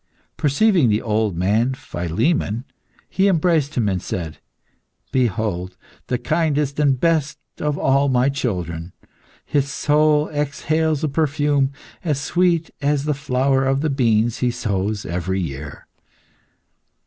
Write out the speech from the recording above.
Perceiving the old man Philemon, he embraced him, and said "Behold, the kindest and best of all my children. His soul exhales a perfume as sweet as the flower of the beans he sows every year."